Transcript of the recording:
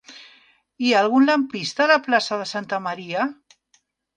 Hi ha algun lampista a la plaça de Santa Maria?